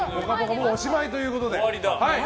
もうおしまいということで。